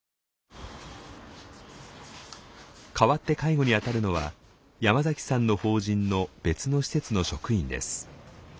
かわって介護にあたるのは山崎さんの法人の別の施設の職員です。